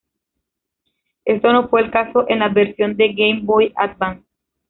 Esto no fue el caso en la versión de Game Boy Advance.